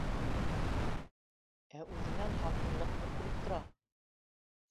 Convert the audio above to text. Ә үҙенән һалҡынлыҡ бөркөлөп тора